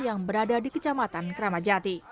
yang berada di kecamatan kramat jati